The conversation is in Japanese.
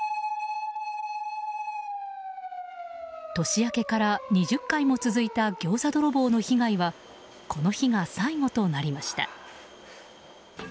年明けから２０回も続いたギョーザ泥棒の被害はこの日が最後となりました。